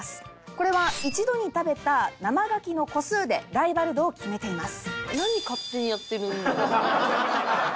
これは一度に食べた生牡蠣の個数でライバル度を決めています。